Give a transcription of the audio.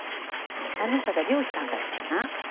あの人たちは漁師さんたちかな？